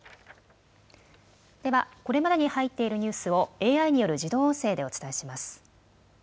ではこれまでに入っているニュースを、ＡＩによる自動音声でお伝